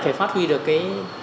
phải phát huy được cái